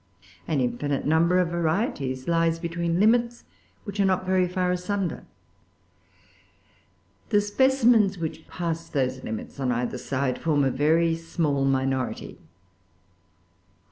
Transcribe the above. An infinite number of varieties lies between limits which are not very far asunder. The specimens which pass those limits on either side form a very small minority.